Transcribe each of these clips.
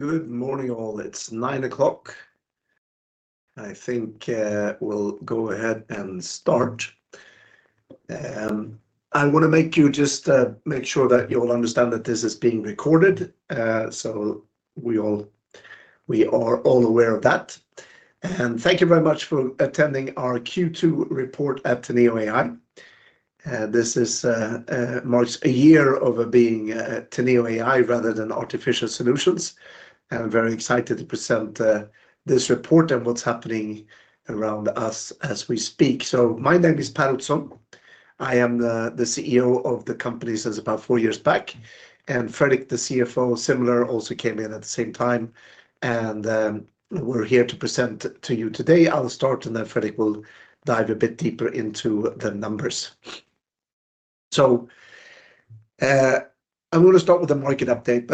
Good morning, all. It's 9:00 o'clock. I think we'll go ahead and start. I want to make sure that you all understand that this is being recorded. We are all aware of that. Thank you very much for attending our Q2 Report at Teneo.ai. This marks a year of being Teneo.ai rather than Artificial Solutions. I'm very excited to present this report and what's happening around us as we speak. My name is Per Ottosson. I am the CEO of the company since about four years back. Fredrik, the CFO, also came in at the same time. We're here to present to you today. I'll start and then Fredrik will dive a bit deeper into the numbers. I'm going to start with a market update.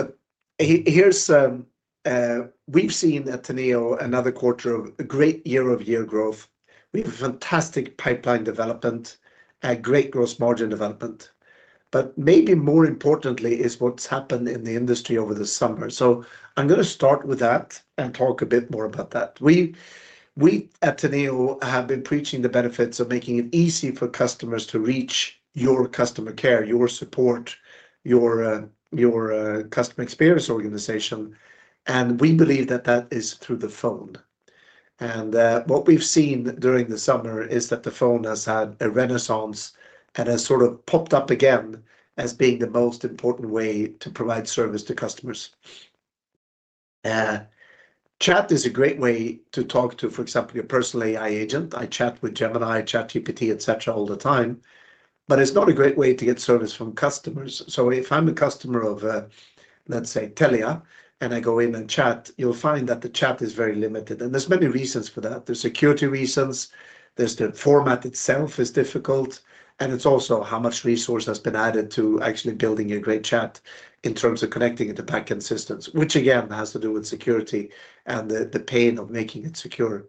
At Teneo, we've seen another quarter of great year-over-year growth. We have a fantastic pipeline development and a great gross margin development. Maybe more importantly is what's happened in the industry over the summer. I'm going to start with that and talk a bit more about it. At Teneo, we have been preaching the benefits of making it easy for customers to reach your customer care, your support, your customer experience organization. We believe that is through the phone. What we've seen during the summer is that the phone has had a renaissance and has popped up again as being the most important way to provide service to customers. Chat is a great way to talk to, for example, your personal AI agent. I chat with Gemini, ChatGPT, et cetera, all the time. It's not a great way to get service from customers. If I'm a customer of, let's say, Telia and I go in and chat, you'll find that the chat is very limited. There are many reasons for that. There are security reasons. The format itself is difficult. It's also how much resource has been added to actually building a great chat in terms of connecting it to backend systems, which again has to do with security and the pain of making it secure.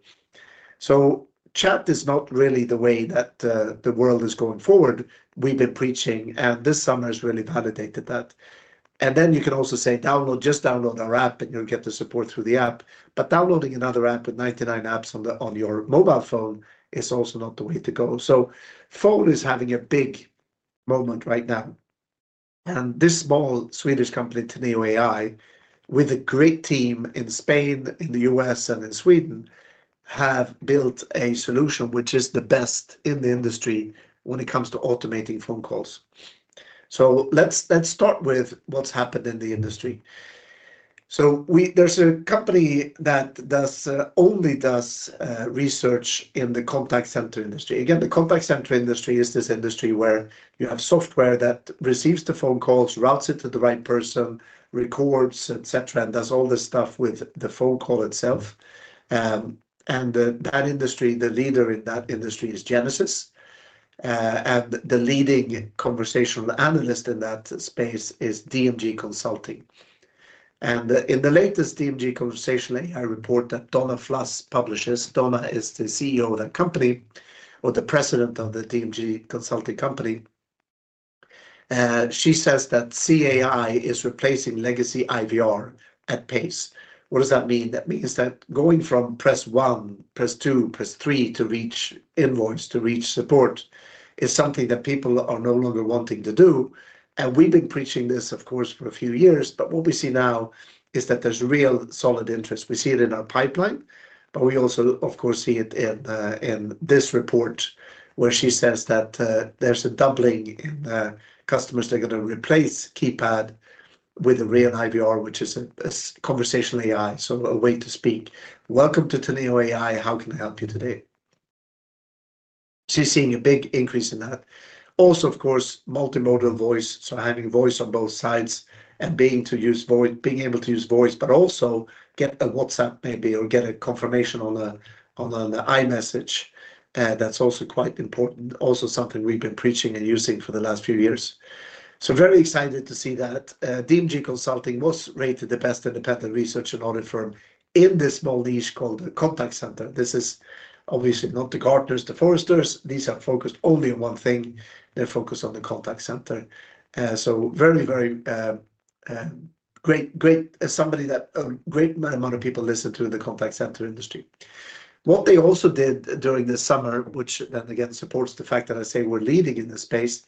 Chat is not really the way that the world is going forward. We have been preaching this, and this summer has really validated that. You can also say, just download our app and you'll get the support through the app. Downloading another app with 99 apps on your mobile phone is also not the way to go. Phone is having a big moment right now. This small Swedish company, Teneo.ai, with a great team in Spain, in the U.S., and in Sweden, have built a solution which is the best in the industry when it comes to automating phone calls. Let's start with what's happened in the industry. There's a company that only does research in the contact center industry. The contact center industry is this industry where you have software that receives the phone calls, routes it to the right person, records, et cetera, and does all this stuff with the phone call itself. In that industry, the leader is Genesys. The leading conversational analyst in that space is DMG Consulting. In the latest DMG Conversational AI report that Donna Fluss publishes, Donna is the CEO of the company or the President of the DMG Consulting company. She says that CAI is replacing legacy IVR at pace. What does that mean? That means that going from press one, press two, press three to reach invoice, to reach support is something that people are no longer wanting to do. We've been preaching this, of course, for a few years. What we see now is that there's real solid interest. We see it in our pipeline. We also see it in this report where she says that there's a doubling in customers that are going to replace keypad with a real IVR, which is a conversational AI, so a way to speak, "Welcome to Teneo.ai. How can I help you today?" She's seeing a big increase in that. Also, multimodal voice, so having voice on both sides and being able to use voice, but also get a WhatsApp maybe or get a confirmation on an iMessage. That's also quite important. Also something we've been preaching and using for the last few years. Very excited to see that. DMG Consulting was rated the best independent research and audit firm in this small niche called the contact center. This is obviously not the Gartners, the Forresters. These are focused only on one thing. They're focused on the contact center. Very, very great, great as somebody that a great amount of people listen to in the contact center industry. What they also did during this summer, which supports the fact that I say we're leading in this space,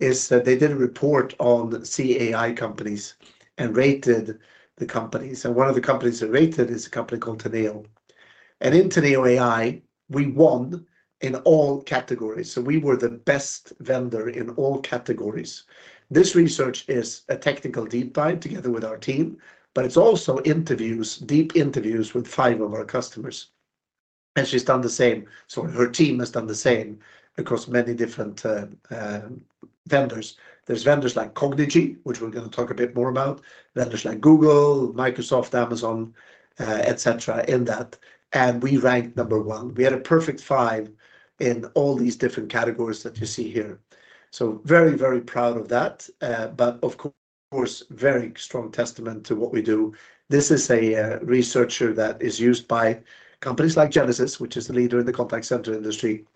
is that they did a report on CAI companies and rated the companies. One of the companies they rated is a company called Teneo. In Teneo.ai, we won in all categories. We were the best vendor in all categories. This research is a technical deep dive together with our team, but it's also interviews, deep interviews with five of our customers. She's done the same. Her team has done the same across many different vendors. There's vendors like Cognigy, which we're going to talk a bit more about, vendors like Google, Microsoft, Amazon, et cetera, in that. We ranked number one. We had a perfect five in all these different categories that you see here. Very, very proud of that. Of course, very strong testament to what we do. This is a researcher that is used by companies like Genesys, which is the leader in the contact center industry,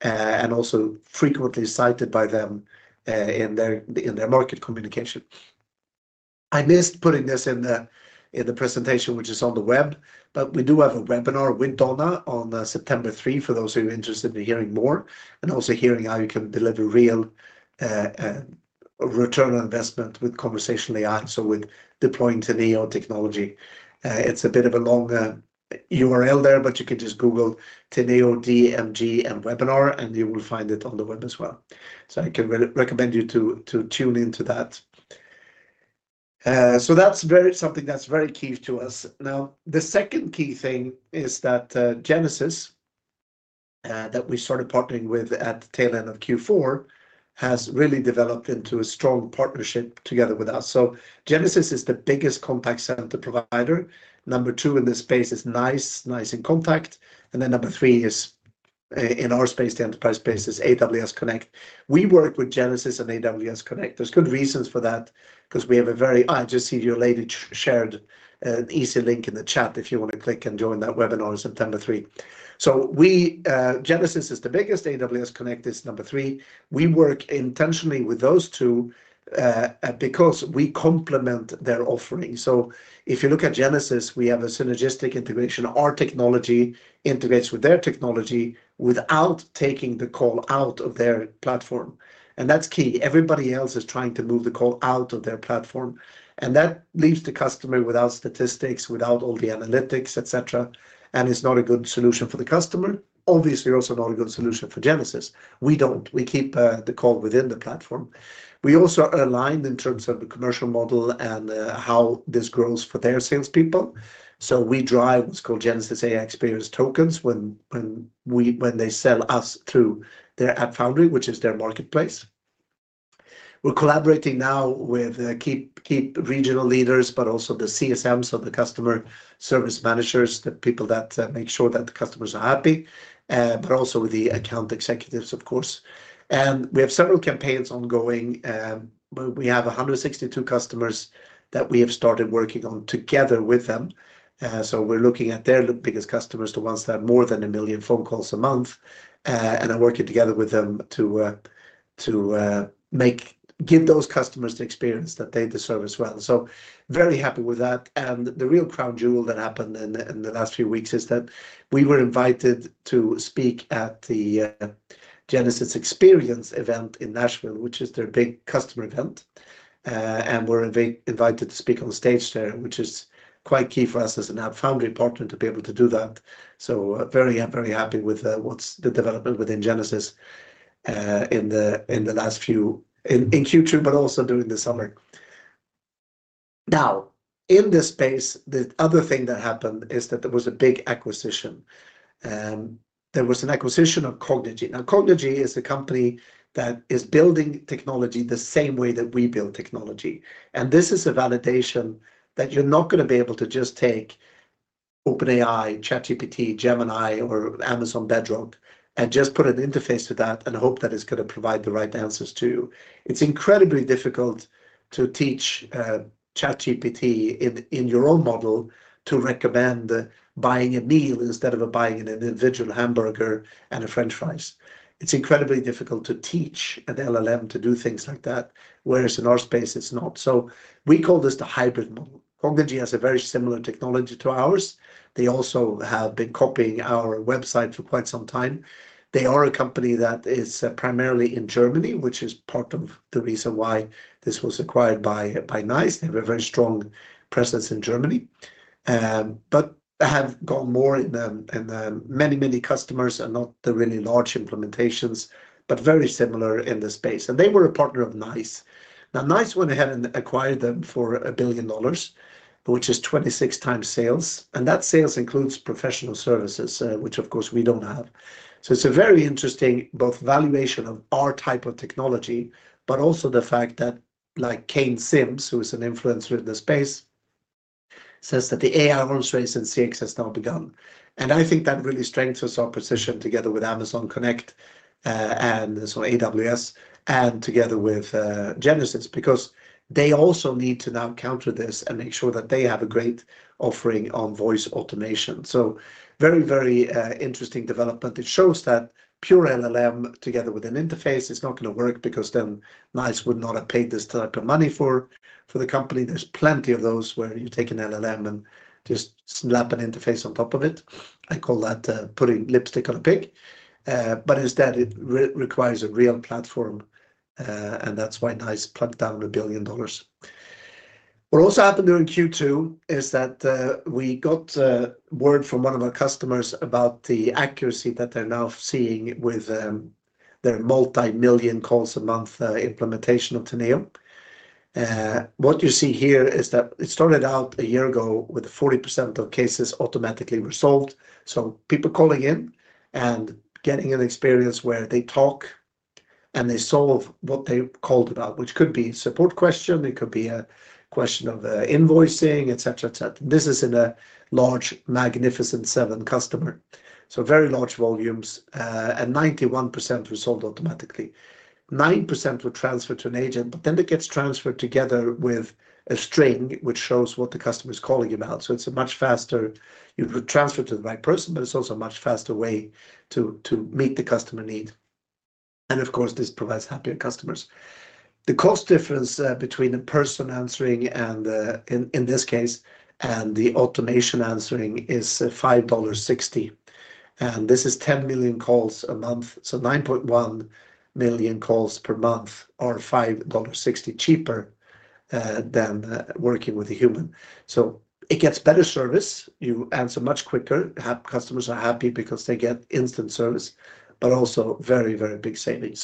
and also frequently cited by them in their market communication. I missed putting this in the presentation, which is on the web, but we do have a webinar with Donna on September 3 for those who are interested in hearing more and also hearing how you can deliver real return on investment with conversational AI. When deploying Teneo technology, it's a bit of a long URL there, but you can just google Teneo, DMG, and webinar, and you will find it on the web as well. I can recommend you to tune into that. That's something that's very key to us. The second key thing is that Genesys, that we started partnering with at the tail end of Q4, has really developed into a strong partnership together with us. Genesys is the biggest contact center provider. Number two in this space is NiCE, NICE inContact. Number three is, in our space, the enterprise space, AWS Connect. We work with Genesys and AWS Connect. There's good reasons for that because we have a very, I just see your lady shared an easy link in the chat if you want to click and join that webinar is on September 3. Genesys is the biggest. AWS Connect is number three. We work intentionally with those two because we complement their offering. If you look at Genesys, we have a synergistic integration. Our technology integrates with their technology without taking the call out of their platform. That's key. Everybody else is trying to move the call out of their platform. That leaves the customer without statistics, without all the analytics, et cetera. It's not a good solution for the customer. Obviously, also not a good solution for Genesys. We don't. We keep the call within the platform. We also align in terms of the commercial model and how this grows for their salespeople. We drive what's called Genesys AI Experience tokens when they sell us through their AppFoundry, which is their marketplace. We're collaborating now with key regional leaders, but also the CSMs, the Customer Service Managers, the people that make sure that the customers are happy, and also with the Account Executives, of course. We have several campaigns ongoing. We have 162 customers that we have started working on together with them. We're looking at their biggest customers, the ones that have more than a million phone calls a month, and I'm working together with them to make those customers the experience that they deserve as well. I'm very happy with that. The real crown jewel that happened in the last few weeks is that we were invited to speak at the Genesys Xperience event in Nashville, which is their big customer event. We were invited to speak on the stage there, which is quite key for us as an AppFoundry partner to be able to do that. I'm very, very happy with the development within Genesys in Q2, but also during the summer. In this space, the other thing that happened is that there was a big acquisition. There was an acquisition of Cognigy. Cognigy is a company that is building technology the same way that we build technology. This is a validation that you're not going to be able to just take OpenAI, ChatGPT, Gemini, or Amazon Bedrock and just put an interface to that and hope that it's going to provide the right answers to you. It's incredibly difficult to teach ChatGPT in your own model to recommend buying a meal instead of buying an individual hamburger and French fries. It's incredibly difficult to teach an LLM to do things like that, whereas in our space, it's not. We call this the hybrid model. Cognigy has a very similar technology to ours. They also have been copying our website for quite some time. They are a company that is primarily in Germany, which is part of the reason why this was acquired by NiCE. They have a very strong presence in Germany. They have gone more in the many, many customers and not the really large implementations, but very similar in the space. They were a partner of NiCE. NiCE went ahead and acquired them for $1 billion, which is 26x sales. That sales includes professional services, which of course we don't have. It's a very interesting both valuation of our type of technology, but also the fact that, like Kane Simms, who is an influencer in the space, says that the AI launch race in SIG has now begun. I think that really strengthens our position together with Amazon Connect and AWS and together with Genesys because they also need to now counter this and make sure that they have a great offering on voice automation. Very, very interesting development. It shows that pure LLM together with an interface is not going to work because then NiCE would not have paid this type of money for the company. There's plenty of those where you take an LLM and just slap an interface on top of it. I call that "putting lipstick on a pig". Instead, it requires a real platform. That's why NiCE plunked down $1 billion. What also happened during Q2 is that we got word from one of our customers about the accuracy that they're now seeing with their multi-million calls a month implementation of Teneo. What you see here is that it started out a year ago with 40% of cases automatically resolved. People calling in and getting an experience where they talk and they solve what they called about, which could be a support question. It could be a question of invoicing, et cetera, et cetera. This is in a large, magnificent seven customer. Very large volumes and 91% resolved automatically. 9% were transferred to an agent, but then it gets transferred together with a string which shows what the customer is calling about. It's a much faster, you would transfer to the right person, but it's also a much faster way to meet the customer need. Of course, this provides happier customers. The cost difference between a person answering in this case and the automation answering is $5.60. This is 10 million calls a month. 9.1 million calls per month are $5.60 cheaper than working with a human. It gets better service. You answer much quicker. Customers are happy because they get instant service, but also very, very big savings.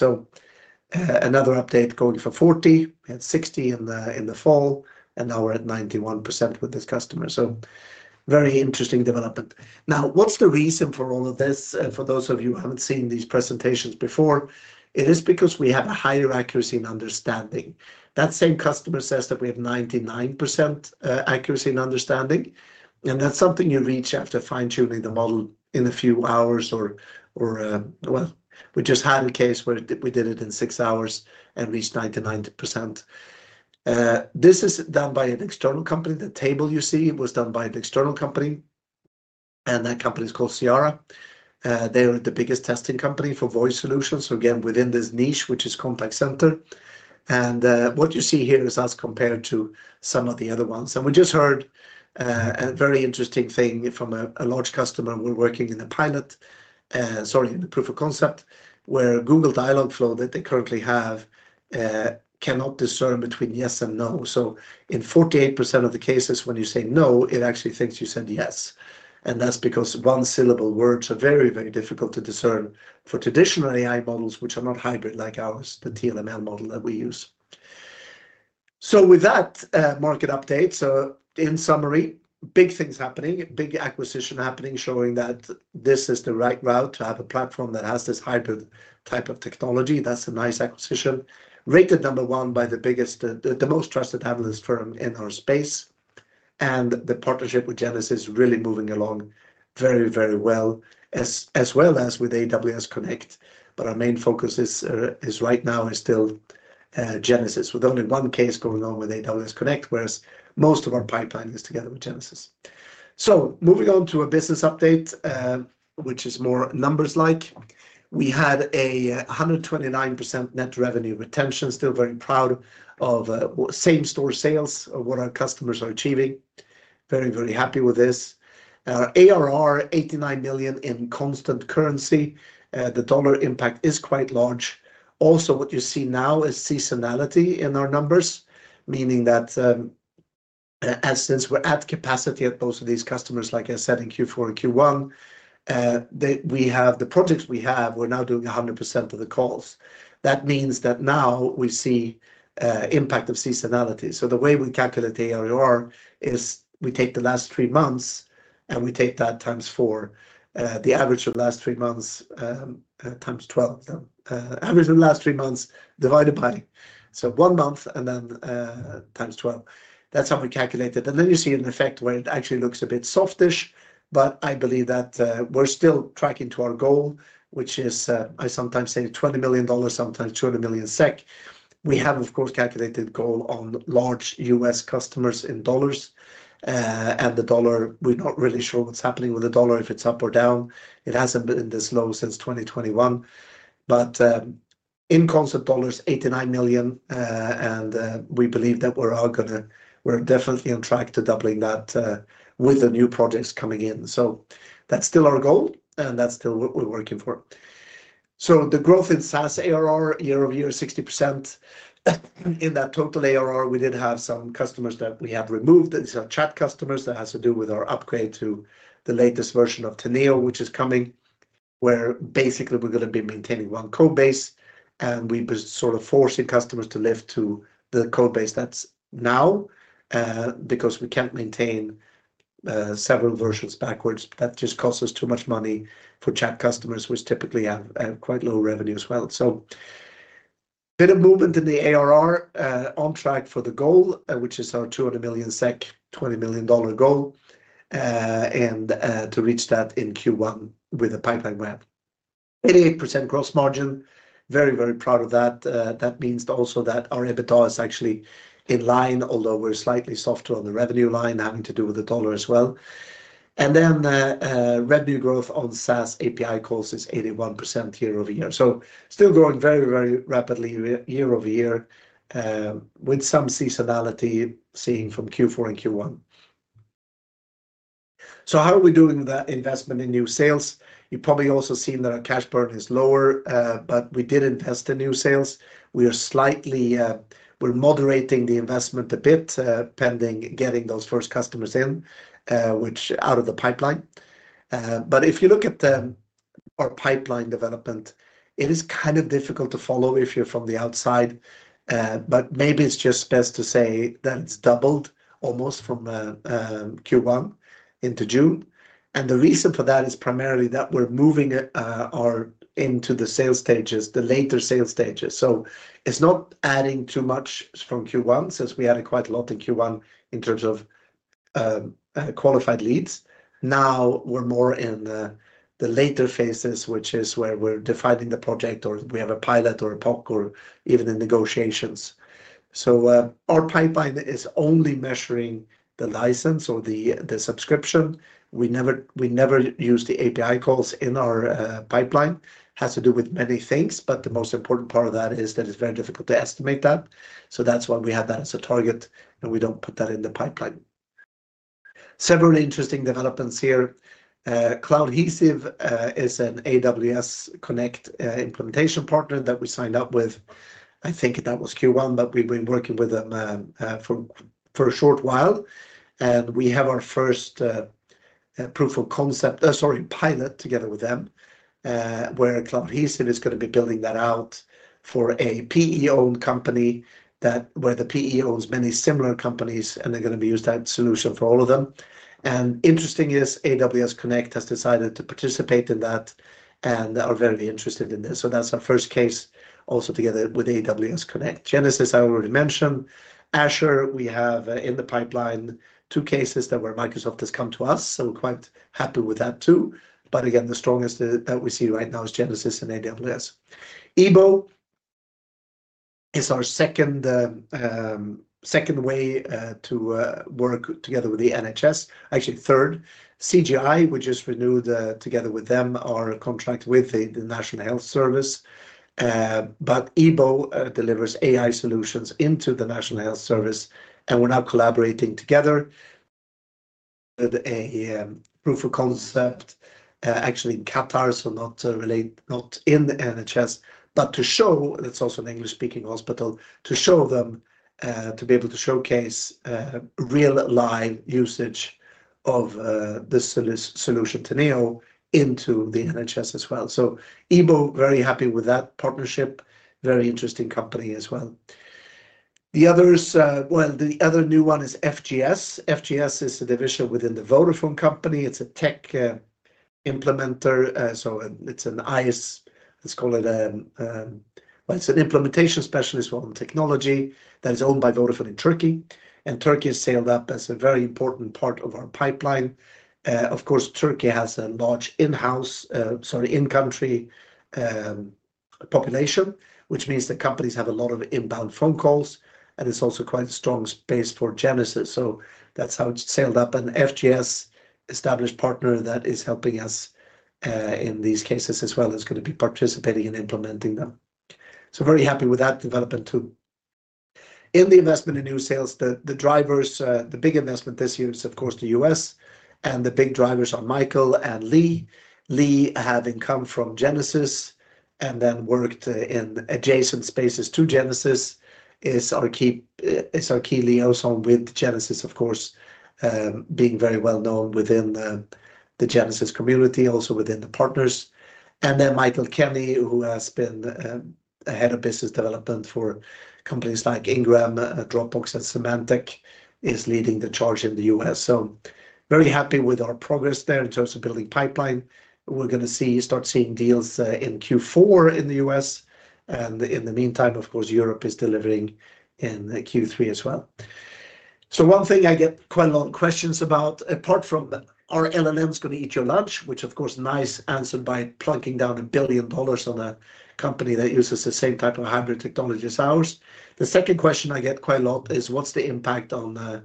Another update going for 40%. We had 60% in the fall and now we're at 91% with this customer. Very interesting development. Now, what's the reason for all of this? For those of you who haven't seen these presentations before, it is because we have a higher accuracy in understanding. That same customer says that we have 99% accuracy in understanding. That's something you reach after fine-tuning the model in a few hours. We just had a case where we did it in six hours and reached 99%. This is done by an external company. The table you see was done by an external company. That company is called Sierra. They are the biggest testing company for voice solutions within this niche, which is contact center. What you see here is us compared to some of the other ones. We just heard a very interesting thing from a large customer. We're working in a proof of concept where Google Dialogflow that they currently have cannot discern between yes and no. In 48% of the cases, when you say no, it actually thinks you said yes. That's because one-syllable words are very, very difficult to discern for traditional AI models, which are not hybrid like ours, the TLML model that we use. With that market update, in summary, big things are happening, big acquisition happening showing that this is the right route to have a platform that has this hybrid type of technology. That's a NiCE acquisition. Rated number one by the biggest, the most trusted analyst firm in our space. The partnership with Genesys is really moving along very, very well, as well as with AWS Connect. Our main focus is right now still Genesys with only one case going on with AWS Connect, whereas most of our pipeline is together with Genesys. Moving on to a business update, which is more numbers-like, we had a 129% net revenue retention. Still very proud of same-store sales of what our customers are achieving. Very, very happy with this. Our ARR, $89 million in constant currency. The dollar impact is quite large. What you see now is seasonality in our numbers, meaning that since we're at capacity at both of these customers, like I said in Q4 and Q1, we have the projects we have, we're now doing 100% of the calls. That means that now we see the impact of seasonality. The way we calculate the ARR is we take the last three months and we take that times four. The average of the last three months times 12. Average of the last three months divided by, so one month and then times 12. That's how we calculate it. You see an effect where it actually looks a bit softish, but I believe that we're still tracking to our goal, which is, I sometimes say $20 million, sometimes 200 million SEK. We have, of course, calculated the goal on large U.S. customers in dollars. The dollar, we're not really sure what's happening with the dollar if it's up or down. It hasn't been this low since 2021. In concept, dollars, $89 million, and we believe that we're all going to, we're definitely on track to doubling that with the new projects coming in. That's still our goal and that's still what we're working for. The growth in SaaS ARR, year-over-year, is 60%. In that total ARR, we did have some customers that we have removed. These are chat customers that have to do with our upgrade to the latest version of Teneo, which is coming, where basically we're going to be maintaining one code base and we've been sort of forcing customers to lift to the code base that's now because we can't maintain several versions backwards. That just costs us too much money for chat customers, which typically have quite low revenue as well. A bit of movement in the ARR, on track for the goal, which is our 200 million SEK, $20 million goal, and to reach that in Q1 with a pipeline ramp. 88% gross margin. Very, very proud of that. That means also that our EBITDA is actually in line, although we're slightly softer on the revenue line, having to do with the dollar as well. Revenue growth on SaaS API calls is 81% year-over-year. Still growing very, very rapidly year-over-year with some seasonality seen from Q4 and Q1. How are we doing with that investment in new sales? You've probably also seen that our cash burn is lower, but we did invest in new sales. We are slightly, we're moderating the investment a bit pending getting those first customers in, which out of the pipeline. If you look at our pipeline development, it is kind of difficult to follow if you're from the outside. Maybe it's just best to say that it's doubled almost from Q1 into June. The reason for that is primarily that we're moving into the sales stages, the later sales stages. It's not adding too much from Q1 since we added quite a lot in Q1 in terms of qualified leads. Now we're more in the later phases, which is where we're defining the project or we have a pilot or a POC or even in negotiations. Our pipeline is only measuring the license or the subscription. We never use the API calls in our pipeline. It has to do with many things, but the most important part of that is that it's very difficult to estimate that. That's why we have that as a target and we don't put that in the pipeline. Several interesting developments here. CloudHesive is an AWS Connect implementation partner that we signed up with. I think that was Q1, but we've been working with them for a short while. We have our first proof of concept, sorry, pilot together with them, where CloudHesive is going to be building that out for a PE-owned company where the PE owns many similar companies and they're going to be using that solution for all of them. Interesting is AWS Connect has decided to participate in that and are very interested in this. That's our first case also together with AWS Connect. Genesys, I already mentioned. Azure, we have in the pipeline two cases where Microsoft has come to us. We're quite happy with that too. Again, the strongest that we see right now is Genesys and AWS. EBO is our second way to work together with the NHS. Actually, third. CGI, we just renewed together with them our contract with the National Health Service. EBO delivers AI solutions into the National Health Service and we're now collaborating together with a proof of concept, actually in Qatar, not in the NHS, but to show, that's also an English-speaking hospital, to show them, to be able to showcase real live usage of the solution Teneo into the NHS as well. EBO, very happy with that partnership. Very interesting company as well. The others, the other new one is FGS. FGS is a division within the Vodafone company. It's a tech implementer. It's an IS, let's call it, it's an implementation specialist on technology that is owned by Vodafone in Turkey. Turkey has sailed up as a very important part of our pipeline. Of course, Turkey has a large in-country population, which means the companies have a lot of inbound phone calls and it's also quite a strong space for Genesys. That's how it's sailed up. FGS, established partner that is helping us in these cases as well, is going to be participating in implementing them. Very happy with that development too. In the investment in new sales, the drivers, the big investment this year is, of course, the U.S. and the big drivers are Michael and Lee. Lee having come from Genesys and then worked in adjacent spaces to Genesys is our key liaison with Genesys, of course, being very well known within the Genesys community, also within the partners. Michael Kenney, who has been a Head of Business Development for companies like Ingram, Dropbox and Symantec, is leading the charge in the U.S. Very happy with our progress there in terms of building pipeline. We're going to start seeing deals in Q4 in the U.S. In the meantime, of course, Europe is delivering in Q3 as well. One thing I get quite a lot of questions about, apart from are LLMs going to eat your lunch, which of course NiCE answered by plunking down $1 billion on a company that uses the same type of hybrid technology as ours. The second question I get quite a lot is what's the impact on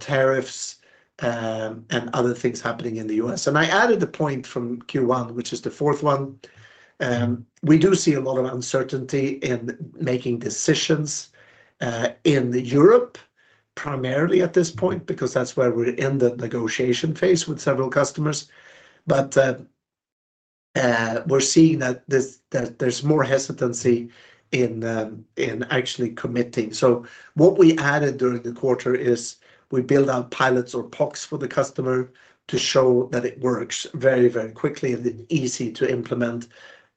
tariffs and other things happening in the U.S. I added the point from Q1, which is the fourth one. We do see a lot of uncertainty in making decisions in Europe, primarily at this point, because that's where we're in the negotiation phase with several customers. We're seeing that there's more hesitancy in actually committing. What we added during the quarter is we build out pilots or POCs for the customer to show that it works very, very quickly and is easy to implement.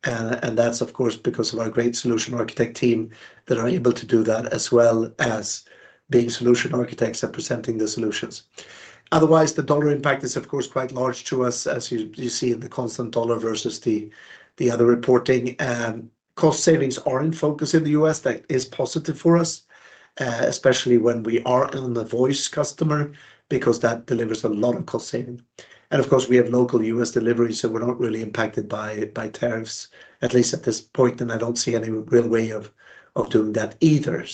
That's, of course, because of our great solution architect team that are able to do that as well as being solution architects and presenting the solutions. Otherwise, the dollar impact is, of course, quite large to us, as you see in the constant dollar versus the other reporting. Cost savings are in focus in the U.S. That is positive for us, especially when we are on the voice customer because that delivers a lot of cost saving. Of course, we have local U.S. delivery, so we're not really impacted by tariffs, at least at this point. I don't see any real way of doing that either.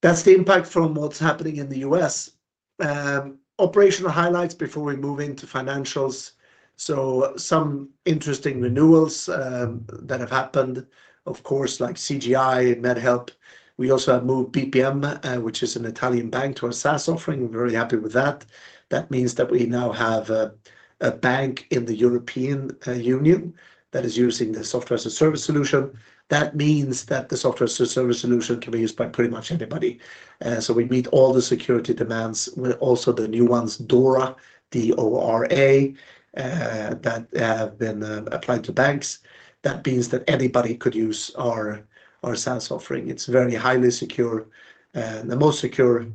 That's the impact from what's happening in the U.S. Operational highlights before we move into financials. Some interesting renewals have happened, of course, like CGI, MedHelp. We also have moved BPM, which is an Italian bank, to a SaaS offering. We're very happy with that. That means that we now have a bank in the European Union that is using the software as a service solution. That means that the software as a service solution can be used by pretty much anybody. We meet all the security demands, also the new ones, DORA, D-O-R-A, that have been applied to banks. That means that anybody could use our SaaS offering. It's very highly secure. The most secure,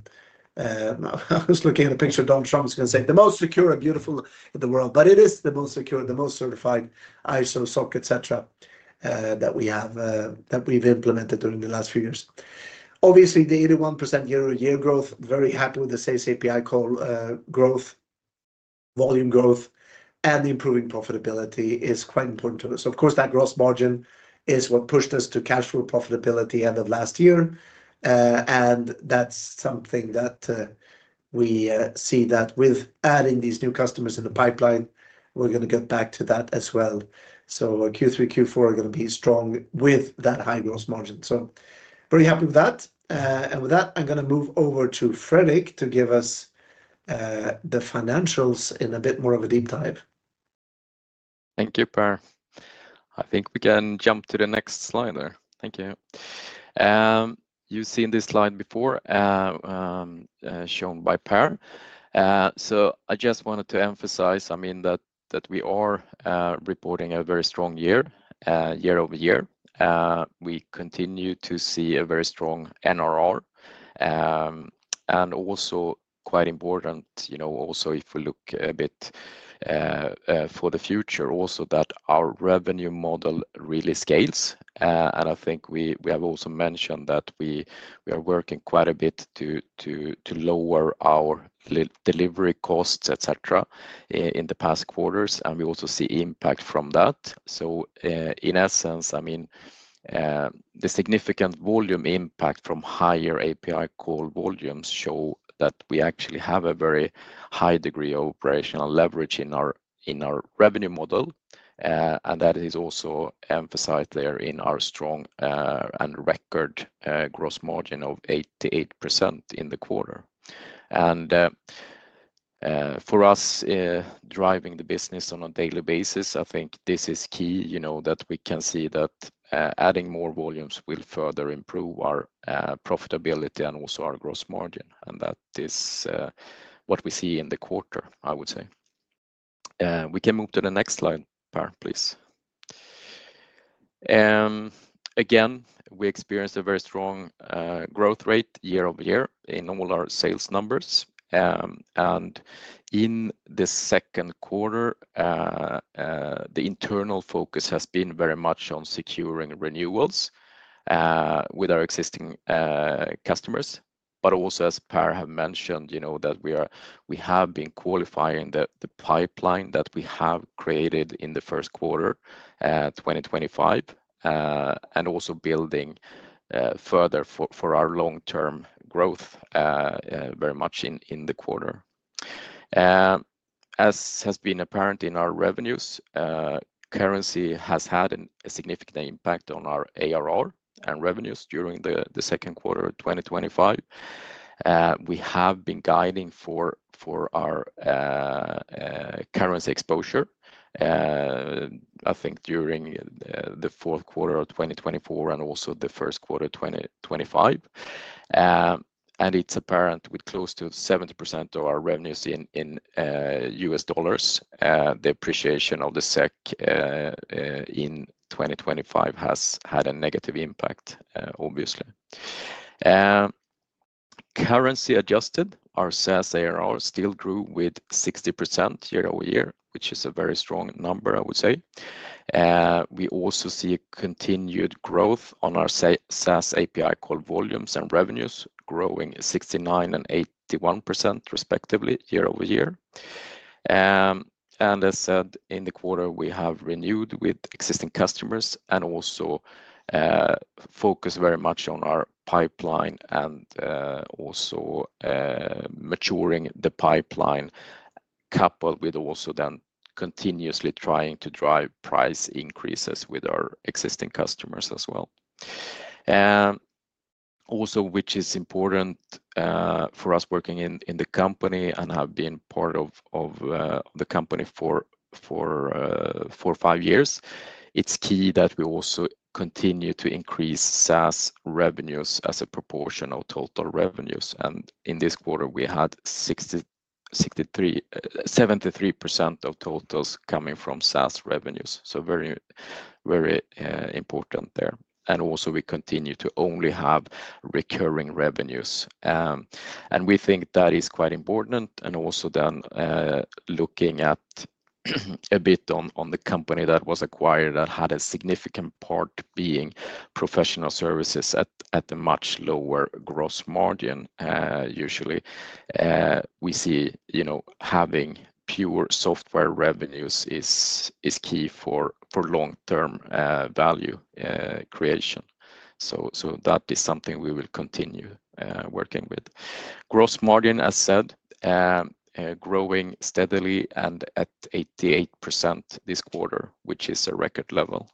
I was looking at a picture, Donald Trump was going to say, "the most secure, a beautiful in the world". It is the most secure, the most certified ISO, SOC, et cetera, that we have implemented during the last few years. Obviously, the 81% year-over-year growth, very happy with the SaaS API call growth, volume growth, and improving profitability is quite important to us. Of course, that gross margin is what pushed us to cash flow profitability end of last year. That's something that we see that with adding these new customers in the pipeline, we're going to get back to that as well. Q3, Q4 are going to be strong with that high gross margin. Very happy with that. With that, I'm going to move over to Fredrik to give us the financials in a bit more of a deep dive. Thank you, Per. I think we can jump to the next slide there. Thank you. You've seen this slide before shown by Per. I just wanted to emphasize, I mean, that we are reporting a very strong year, year-over-year. We continue to see a very strong NRR. Also quite important, you know, also if we look a bit for the future, also that our revenue model really scales. I think we have also mentioned that we are working quite a bit to lower our delivery costs, et cetera, in the past quarters. We also see impact from that. In essence, I mean, the significant volume impact from higher API call volumes show that we actually have a very high degree of operational leverage in our revenue model. That is also emphasized there in our strong and record gross margin of 88% in the quarter. For us, driving the business on a daily basis, I think this is key, you know, that we can see that adding more volumes will further improve our profitability and also our gross margin. That is what we see in the quarter, I would say. We can move to the next slide, Per, please. Again, we experienced a very strong growth rate year-over-year in all our sales numbers. In the second quarter, the internal focus has been very much on securing renewals with our existing customers. Also, as Per has mentioned, you know, that we have been qualifying the pipeline that we have created in the first quarter, 2025, and also building further for our long-term growth very much in the quarter. As has been apparent in our revenues, currency has had a significant impact on our ARR and revenues during the second quarter of 2025. We have been guiding for our currency exposure, I think, during the fourth quarter of 2024 and also the first quarter of 2025. It's apparent with close to 70% of our revenues in U.S. dollars, the appreciation of the SEK in 2025 has had a negative impact, obviously. Currency adjusted, our SaaS ARR still grew with 60% year-over-year, which is a very strong number, I would say. We also see continued growth on our SaaS API call volumes and revenues growing 69% and 81% respectively year-over-year. As I said, in the quarter, we have renewed with existing customers and also focused very much on our pipeline and also maturing the pipeline, coupled with also then continuously trying to drive price increases with our existing customers as well. Also, which is important for us working in the company and have been part of the company for five years, it's key that we also continue to increase SaaS revenues as a proportion of total revenues. In this quarter, we had 73% of totals coming from SaaS revenues. Very, very important there. We continue to only have recurring revenues. We think that is quite important. Also then looking at a bit on the company that was acquired that had a significant part being professional services at a much lower gross margin. Usually, we see, you know, having pure software revenues is key for long-term value creation. That is something we will continue working with. Gross margin, as said, growing steadily and at 88% this quarter, which is a record level.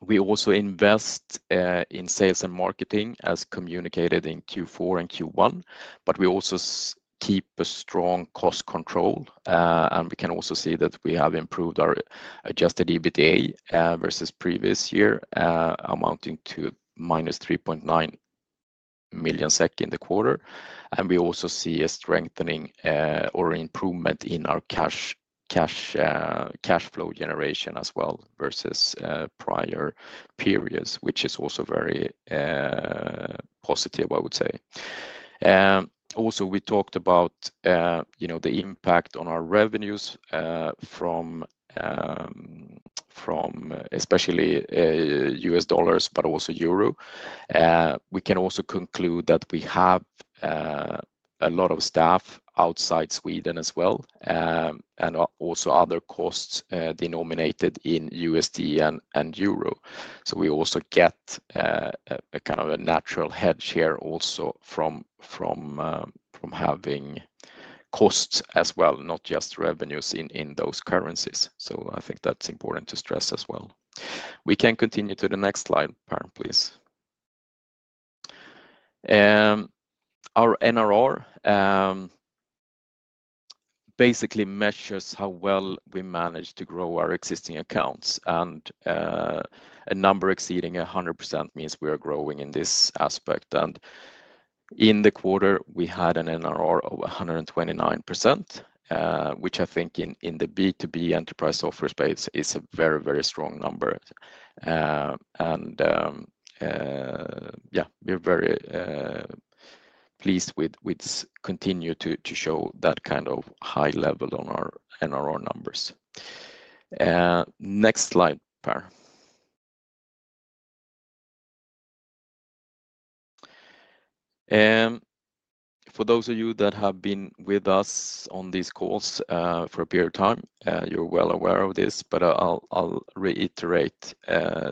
We also invest in sales and marketing as communicated in Q4 and Q1. We also keep a strong cost control. We can also see that we have improved our adjusted EBITDA versus previous year, amounting to -3.9 million SEK in the quarter. We also see a strengthening or improvement in our cash flow generation as well versus prior periods, which is also very positive, I would say. We talked about the impact on our revenues from especially U.S. dollars, but also Euro. We can also conclude that we have a lot of staff outside Sweden as well, and also other costs denominated in USD and Euro. We also get a kind of a natural hedge also from having costs as well, not just revenues in those currencies. I think that's important to stress as well. We can continue to the next slide, Per, please. Our NRR basically measures how well we manage to grow our existing accounts. A number exceeding 100% means we are growing in this aspect. In the quarter, we had an NRR of 129%, which I think in the B2B enterprise software space is a very, very strong number. We're very pleased with. Continue to show that kind of high level on our NRR numbers. Next slide, Per. For those of you that have been with us on these calls for a period of time, you're well aware of this, but I'll reiterate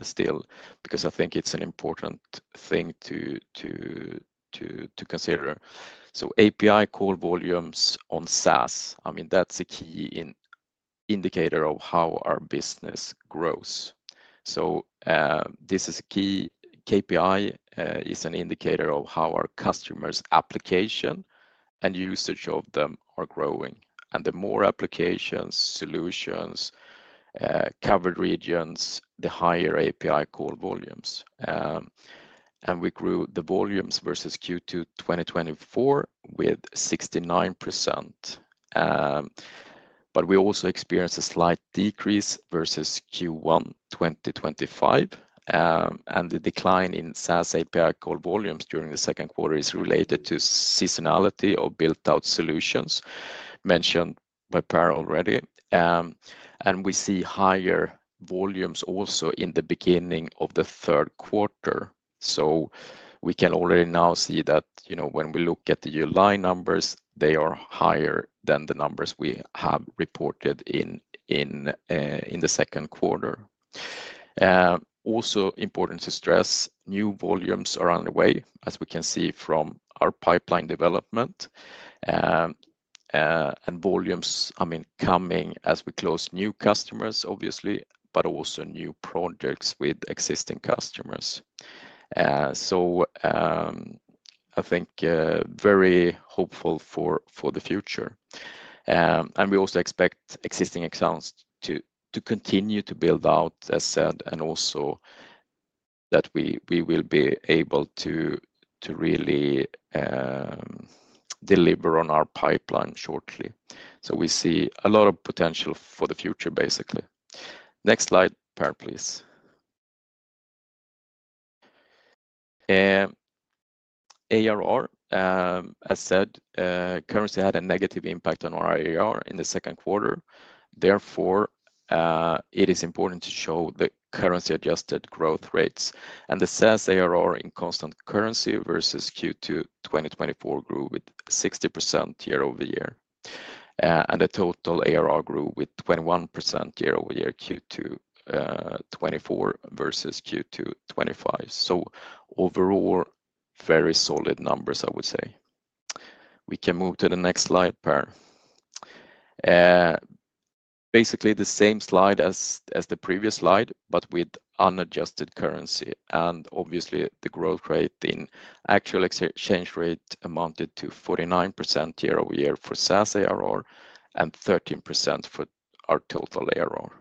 still because I think it's an important thing to consider. API call volumes on SaaS, I mean, that's a key indicator of how our business grows. This is a key KPI, is an indicator of how our customers' application and usage of them are growing. The more applications, solutions, covered regions, the higher API call volumes. We grew the volumes versus Q2 2024 with 69%. We also experienced a slight decrease versus Q1 2025. The decline in SaaS API call volumes during the second quarter is related to seasonality of built-out solutions mentioned by Per already. We see higher volumes also in the beginning of the third quarter. We can already now see that, you know, when we look at the year-line numbers, they are higher than the numbers we have reported in the second quarter. Also, important to stress, new volumes are underway, as we can see from our pipeline development. Volumes, I mean, coming as we close new customers, obviously, but also new projects with existing customers. I think very hopeful for the future. We also expect existing accounts to continue to build out, as I said, and also that we will be able to really deliver on our pipeline shortly. We see a lot of potential for the future, basically. Next slide, Per, please. ARR, as I said, currency had a negative impact on our ARR in the second quarter. Therefore, it is important to show the currency-adjusted growth rates. The SaaS ARR in constant currency versus Q2 2024 grew with 60% year-over-year. The total ARR grew with 21% year-over-year Q2 2024 versus Q2 2025. Overall, very solid numbers, I would say. We can move to the next slide, Per. Basically, the same slide as the previous slide, but with unadjusted currency. Obviously, the growth rate in actual exchange rate amounted to 49% year-over-year for SaaS ARR and 13% for our total ARR.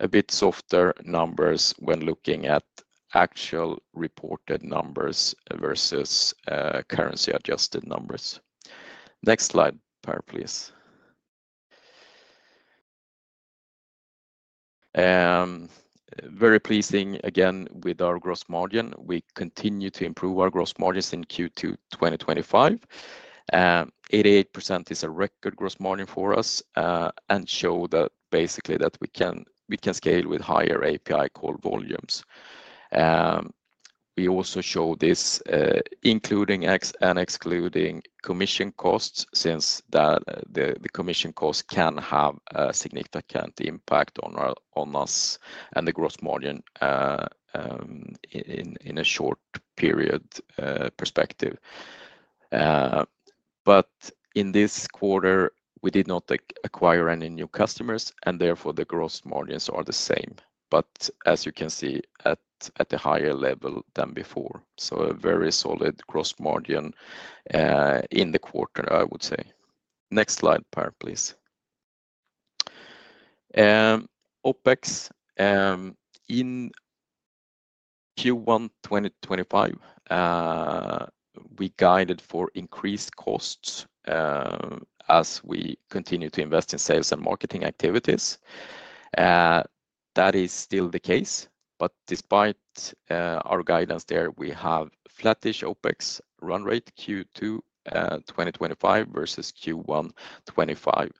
A bit softer numbers when looking at actual reported numbers versus currency-adjusted numbers. Next slide, Per, please. Very pleasing, again, with our gross margin. We continue to improve our gross margins in Q2 2025. 88% is a record gross margin for us and shows basically that we can scale with higher API call volumes. We also show this, including and excluding commission costs, since the commission costs can have a significant impact on us and the gross margin in a short period perspective. In this quarter, we did not acquire any new customers, and therefore, the gross margins are the same. As you can see, at a higher level than before. A very solid gross margin in the quarter, I would say. Next slide, Per, please. OpEx in Q1 2025, we guided for increased costs as we continue to invest in sales and marketing activities. That is still the case. Despite our guidance there, we have flattish OpEx run rate Q2 2025 versus Q1 2025.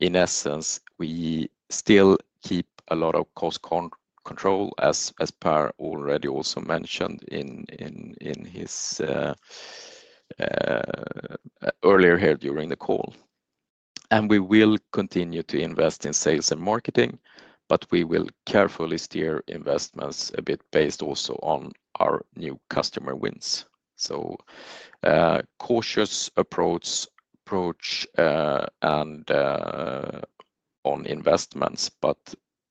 In essence, we still keep a lot of cost control as Per already also mentioned earlier during the call. We will continue to invest in sales and marketing, but we will carefully steer investments a bit based also on our new customer wins. A cautious approach on investments, but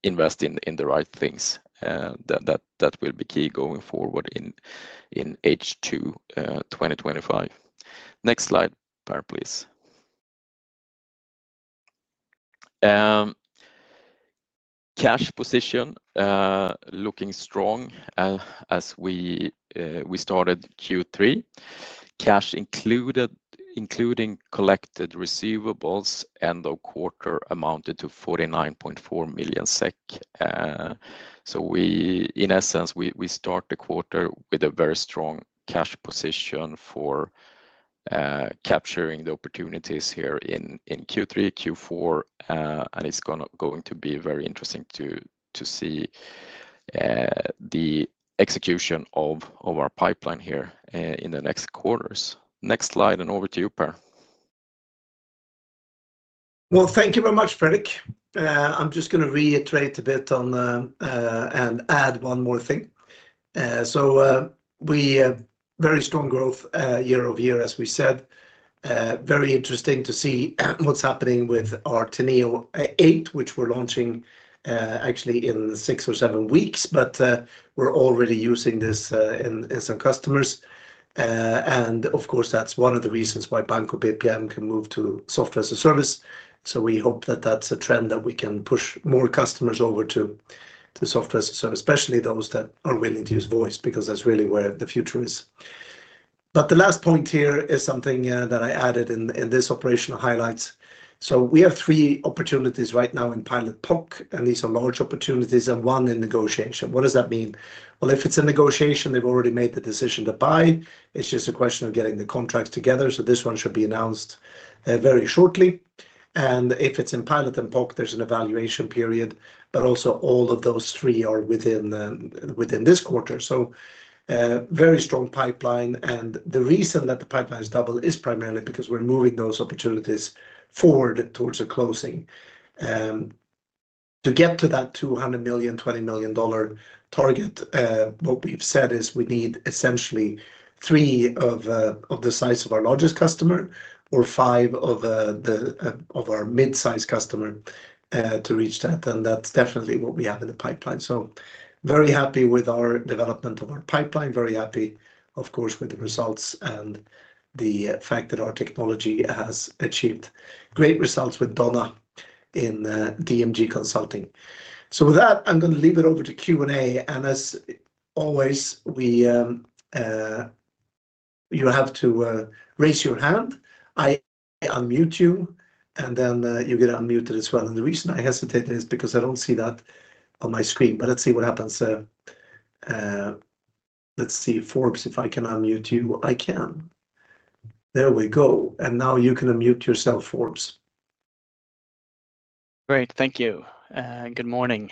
invest in the right things. That will be key going forward in H2 2025. Next slide, Per, please. Cash position looking strong as we started Q3. Cash, including collected receivables, end of quarter amounted to 49.4 million SEK. In essence, we start the quarter with a very strong cash position for capturing the opportunities here in Q3, Q4. It is going to be very interesting to see the execution of our pipeline here in the next quarters. Next slide, and over to you, Per. Thank you very much, Fredrik. I'm just going to reiterate a bit on and add one more thing. We have very strong growth year-over-year, as we said. Very interesting to see what's happening with our Teneo 8, which we're launching actually in six or seven weeks. We're already using this in some customers. Of course, that's one of the reasons why Banco BPM can move to software as a service. We hope that that's a trend that we can push more customers over to the software as a service, especially those that are willing to use voice because that's really where the future is. The last point here is something that I added in this operational highlights. We have three opportunities right now in pilot POC, and these are large opportunities and one in negotiation. What does that mean? If it's in negotiation, they've already made the decision to buy. It's just a question of getting the contracts together. This one should be announced very shortly. If it's in pilot and POC, there's an evaluation period. All of those three are within this quarter. A very strong pipeline. The reason that the pipeline is double is primarily because we're moving those opportunities forward towards a closing. To get to that $200 million, $20 million target, what we've said is we need essentially three of the size of our largest customer or five of our mid-sized customer to reach that. That's definitely what we have in the pipeline. Very happy with our development of our pipeline. Very happy, of course, with the results and the fact that our technology has achieved great results with Donna in DMG Consulting. With that, I'm going to leave it over to Q&A. As always, you have to raise your hand. I unmute you, and then you get unmuted as well. The reason I hesitate is because I don't see that on my screen. Let's see what happens there. Let's see Forbes. If I can unmute you, I can. There we go. Now you can unmute yourself, Forbes. Great. Thank you. Good morning,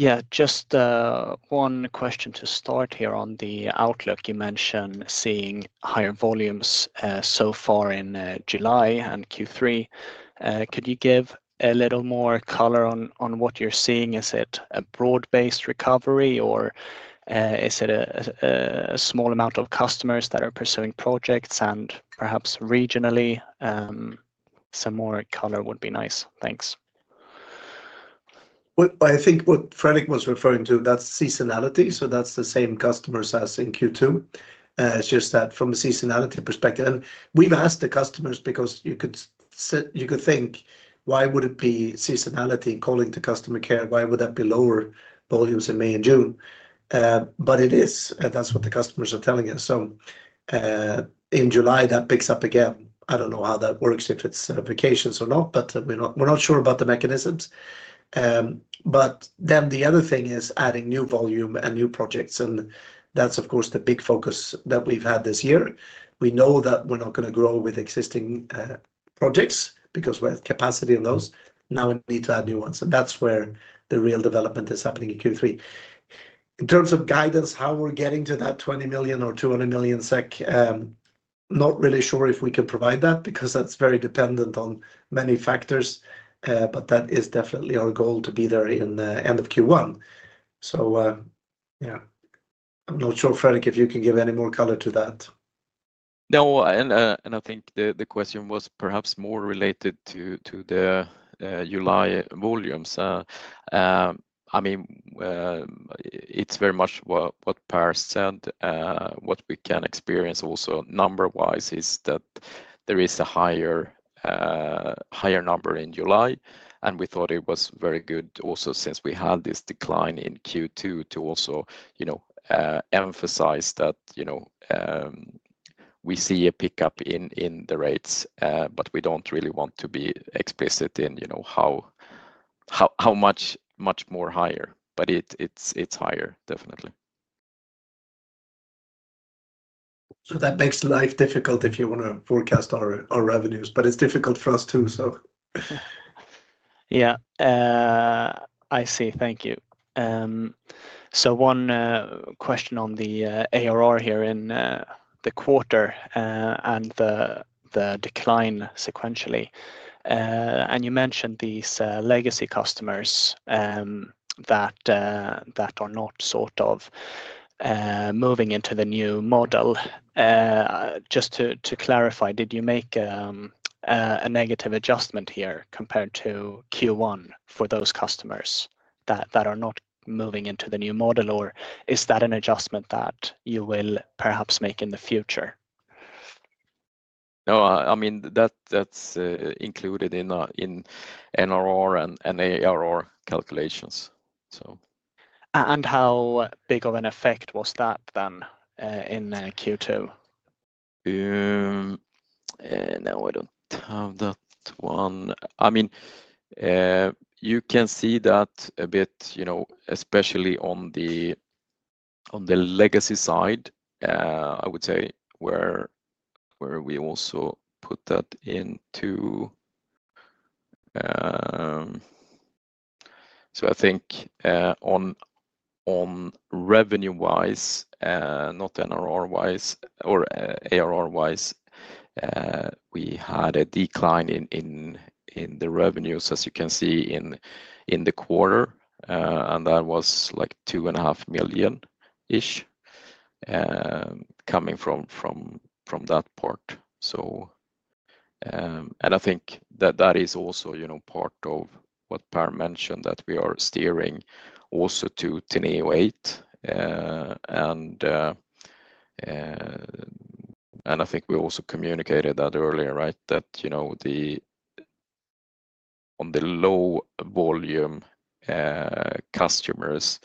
Per and Fredrik. Just one question to start here on the outlook. You mentioned seeing higher volumes so far in July and Q3. Could you give a little more color on what you're seeing? Is it a broad-based recovery, or is it a small amount of customers that are pursuing projects and perhaps regionally? Some more color would be nice. Thanks. I think what Fredrik was referring to, that's seasonality. That's the same customers as in Q2, as you said, from the seasonality perspective. We've asked the customers because you could think, why would it be seasonality in calling to customer care? Why would that be lower volumes in May and June? It is. That's what the customers are telling us. In July, that picks up again. I don't know how that works, if it's vacations or not, but we're not sure about the mechanisms. The other thing is adding new volume and new projects, and that's, of course, the big focus that we've had this year. We know that we're not going to grow with existing projects because we have capacity on those. Now we need to add new ones, and that's where the real development is happening in Q3. In terms of guidance, how we're getting to that $20 million or 200 million SEK, not really sure if we can provide that because that's very dependent on many factors. That is definitely our goal to be there in the end of Q1. I'm not sure, Fredrik, if you can give any more color to that. No, I think the question was perhaps more related to the July volumes. I mean, it's very much what Per said. What we can experience also number-wise is that there is a higher number in July. We thought it was very good also since we had this decline in Q2 to also, you know, emphasize that, you know, we see a pickup in the rates. We don't really want to be explicit in, you know, how much, much more higher. It's higher, definitely. That makes life difficult if you want to forecast our revenues. It's difficult for us too. I see. Thank you. One question on the ARR here in the quarter and the decline sequentially. You mentioned these legacy customers that are not sort of moving into the new model. Just to clarify, did you make a negative adjustment here compared to Q1 for those customers that are not moving into the new model, or is that an adjustment that you will perhaps make in the future? No, I mean, that's included in NRR and ARR calculations. How big of an effect was that then in Q2? No, I don't have that one. I mean, you can see that a bit, you know, especially on the legacy side, I would say, where we also put that into. I think on revenue-wise, not NRR-wise or ARR-wise, we had a decline in the revenues, as you can see, in the quarter. That was like $2.5 million coming from that part. I think that is also part of what Per mentioned, that we are steering also to Teneo 8. I think we also communicated that earlier, right, that on the low volume customers,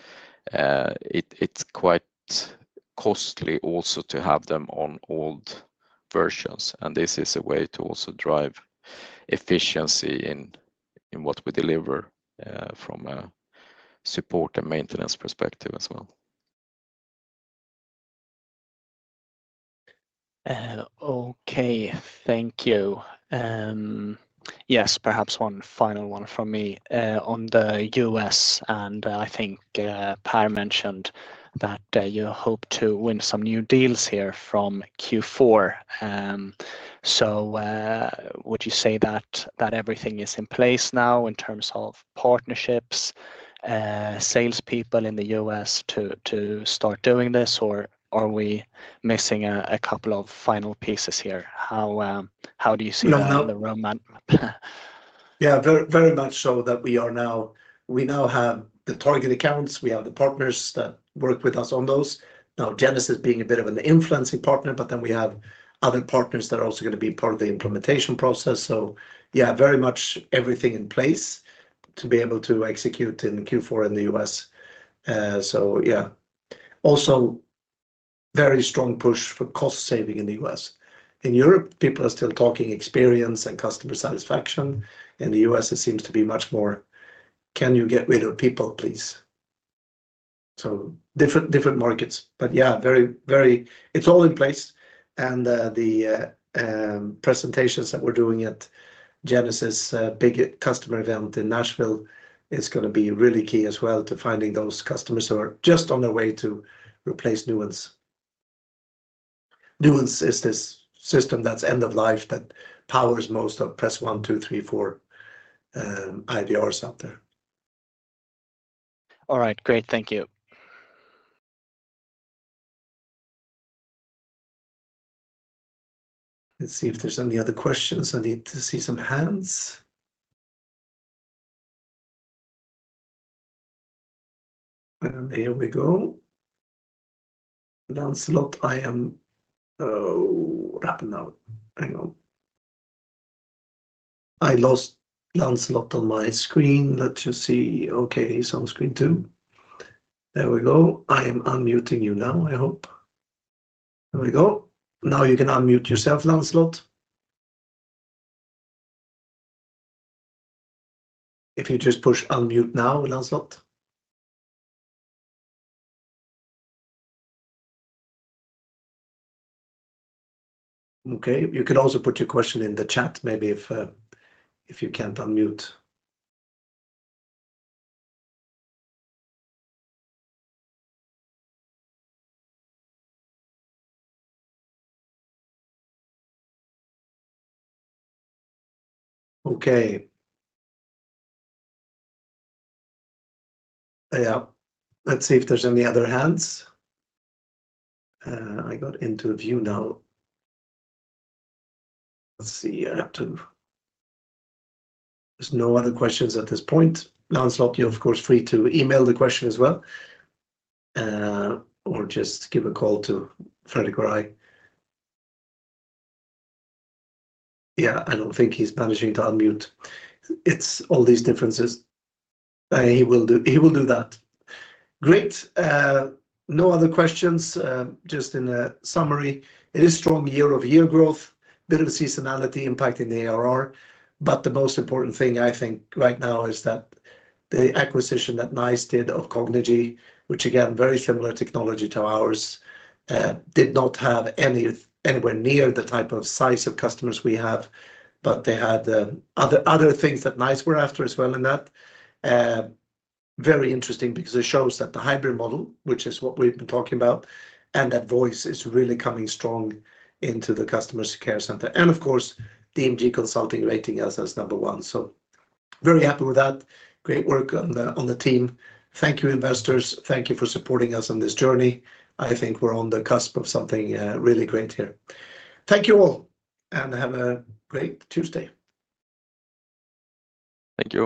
it's quite costly also to have them on old versions. This is a way to also drive efficiency in what we deliver from a support and maintenance perspective as well. Okay. Thank you. Yes, perhaps one final one from me on the U.S. I think Per mentioned that you hope to win some new deals here from Q4. Would you say that everything is in place now in terms of partnerships, salespeople in the U.S. to start doing this, or are we missing a couple of final pieces here? How do you see that in the room? Very much so that we now have the target accounts. We have the partners that work with us on those. Genesys is being a bit of an influencing partner, but then we have other partners that are also going to be part of the implementation process. Very much everything in place to be able to execute in Q4 in the U.S. Also, very strong push for cost saving in the U.S. In Europe, people are still talking experience and customer satisfaction. In the U.S., it seems to be much more, can you get rid of people, please? Different markets. Very, very, it's all in place. The presentations that we're doing at Genesys' big customer event in Nashville is going to be really key as well to finding those customers who are just on their way to replace Nuance. Nuance is this system that's end of life that powers most of the press one, two, three, four IVRs out there. All right. Great, thank you. Let's see if there's any other questions. I need to see some hands. Here we go. Lancelot. I am, oh, what happened now? Hang on. I lost Lancelot on my screen. Let me see. Okay. He's on screen two. There we go. I am unmuting you now, I hope. There we go. Now you can unmute yourself, Lancelot. If you just push unmute now, Lancelot. You can also put your question in the chat, maybe if you can't unmute. Let's see if there's any other hands. I got into a view now. There's no other questions at this point. Lancelot, you're, of course, free to email the question as well or just give a call to Fredrik or I. I don't think he's managing to unmute. It's all these differences. He will do that. Great. No other questions. Just in a summary, it is strong year-over-year growth, a bit of a seasonality impact in the ARR. The most important thing right now is that the acquisition that NiCE did of Cognigy, which again, very similar technology to ours, did not have anywhere near the type of size of customers we had. They had other things that NiCE were after as well in that. Very interesting because it shows that the hybrid model, which is what we've been talking about, and that voice is really coming strong into the customer care center. Of course, DMG Consulting rating us as number one. Very happy with that. Great work on the team. Thank you, investors. Thank you for supporting us on this journey. I think we're on the cusp of something really great here. Thank you all and have a great Tuesday. Thank you.